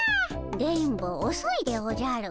電ボおそいでおじゃる。